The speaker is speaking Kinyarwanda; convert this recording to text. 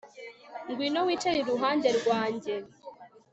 ngwino wicare iruhande rwanjye